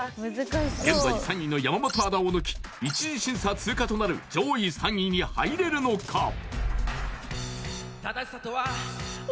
現在３位の山本アナを抜き１次審査通過となる上位３人に入れるのか？